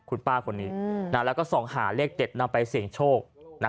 คุณป้าคนนี้แล้วก็ส่องหาเลขเด็ดนำไปเสี่ยงโชค